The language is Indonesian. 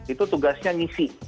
itu tugasnya ngisi